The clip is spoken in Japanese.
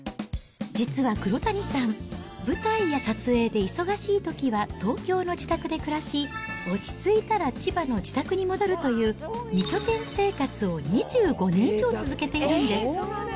実は黒谷さん、舞台や撮影で忙しいときは東京の自宅で暮らし、落ち着いたら、千葉の自宅に戻るという２拠点生活を２５年以上続けているんです。